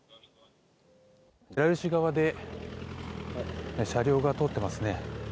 ベラルーシ側で車両が通っていますね。